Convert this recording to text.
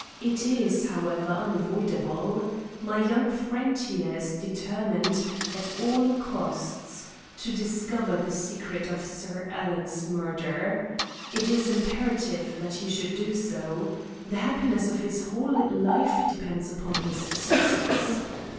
It is, however, unavoidable. My young friend here is determined, at all costs, to discover the secret of Sir Alan's murder. It is imperative that he should do so. The happiness of his whole life depends upon his success.